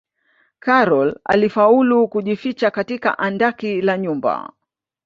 karol alifaulu kujificha katika andaki la nyumba